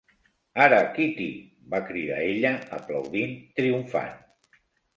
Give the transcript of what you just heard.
"Ara, Kitty!", va cridar ella, aplaudint triomfant.